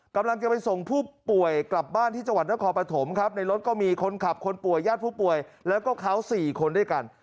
กำลังจะไปส่งผู้ป่วยกลับบ้านที่จังหวัดนครปฐมครับในรถก็มีคนขับคนป่วยญาติผู้ป่วยแล้วก็เขา๔คนด้วยกัน